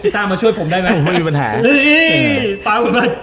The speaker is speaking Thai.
ไท่นี้ขึ้นง่าย